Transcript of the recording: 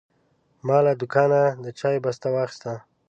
ما له دوکانه د چای بسته واخیسته.